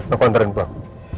aku anterin pulang